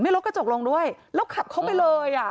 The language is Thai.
ไม่ลดกระจกลงด้วยแล้วขับเข้าไปเลย